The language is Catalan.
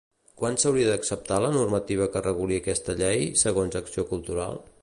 Quan s'hauria d'acceptar la normativa que reguli aquesta llei, segons Acció Cultural?